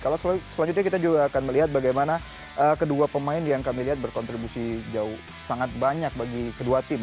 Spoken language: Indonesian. kalau selanjutnya kita juga akan melihat bagaimana kedua pemain yang kami lihat berkontribusi jauh sangat banyak bagi kedua tim